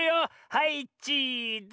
はいチーズって。